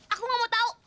aku gak mau tau